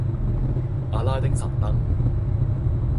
阿拉丁神燈